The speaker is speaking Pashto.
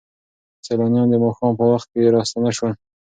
سیلانیان د ماښام په وخت کې راستانه شول.